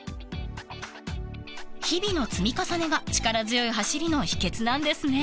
［日々の積み重ねが力強い走りの秘訣なんですね］